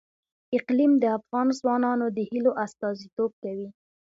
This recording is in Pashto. اقلیم د افغان ځوانانو د هیلو استازیتوب کوي.